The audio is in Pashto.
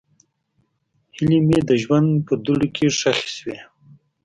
هیلې مې د ژوند په دوړو کې ښخې شوې.